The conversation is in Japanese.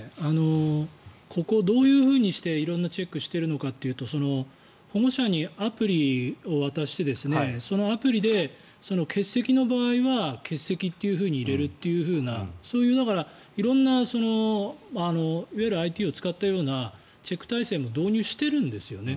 ここ、どういうふうにして色んなチェックをしているのかというと保護者にアプリを渡してそのアプリで欠席の場合は欠席というふうに入れるとそういうのが、色んないわゆるＩＴを使ったようなチェック体制も導入しているんですよね。